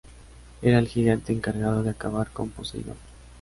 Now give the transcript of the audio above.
Era el gigante encargado de acabar con Poseidón.